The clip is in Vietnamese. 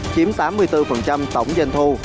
chiếm tám mươi bốn tổng doanh thu